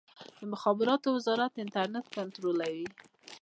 د مخابراتو وزارت انټرنیټ کنټرولوي؟